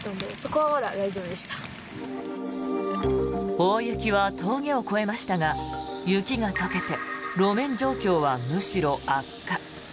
大雪は峠を越えましたが雪が解けて路面状況はむしろ悪化。